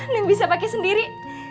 lu bisa pake sendiri